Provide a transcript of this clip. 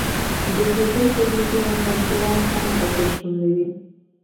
د کیبل تلویزیون اسانتیا هم هلته شتون لري